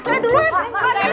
saya duluan mak saya duluan